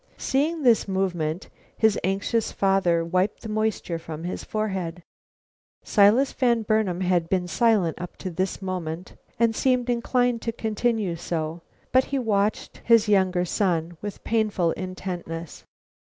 Seeing this movement, his anxious father wiped the moisture from his forehead. Silas Van Burnam had been silent up to this moment and seemed inclined to continue so, but he watched his younger son with painful intentness.